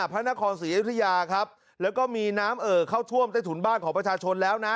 พระนครศรีอยุธยาครับแล้วก็มีน้ำเอ่อเข้าท่วมใต้ถุนบ้านของประชาชนแล้วนะ